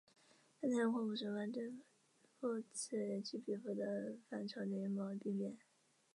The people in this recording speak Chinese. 他采用恐怖手段对付此起彼伏的反朝廷阴谋和兵变。